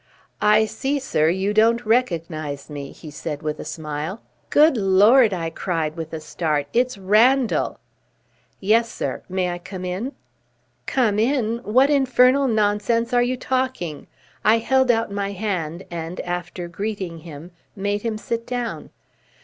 "I see, sir, you don't recognise me," he said with a smile. "Good Lord!" I cried, with a start, "it's Randall." "Yes, sir. May I come in?" "Come in? What infernal nonsense are you talking?" I held out my hand, and, after greeting him, made him sit down.